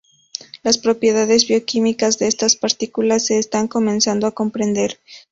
Las propiedades bioquímicas de estas partículas se están comenzado a comprender.